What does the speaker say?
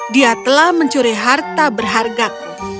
dia telah mencuri harta berharga